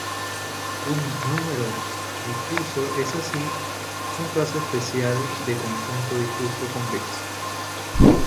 Un número difuso es así un caso especial de conjunto difuso convexo.